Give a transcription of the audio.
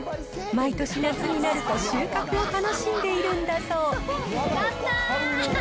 毎年夏になると収穫を楽しんでいるんだそう。